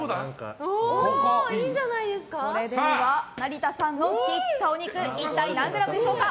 では、成田さんの切ったお肉一体何グラムでしょうか。